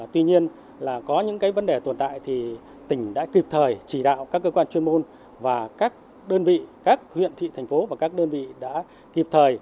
tuy nhiên là có những vấn đề tồn tại thì tỉnh đã kịp thời chỉ đạo các cơ quan chuyên môn và các đơn vị các huyện thị thành phố và các đơn vị đã kịp thời